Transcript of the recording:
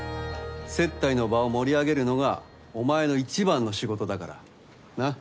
接待の場を盛り上げるのがお前の一番の仕事だからなっ？